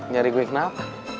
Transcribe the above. nyari gue kenapa